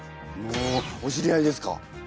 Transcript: おおお知り合いですか？